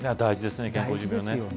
大事ですよね。